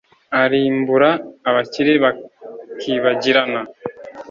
arimbura abakire bakibagirana